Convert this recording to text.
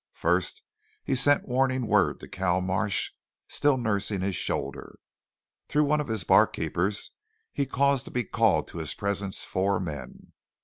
First he sent warning word to Cal Marsh, still nursing his shoulder. Through one of his barkeepers he caused to be called to his presence four men.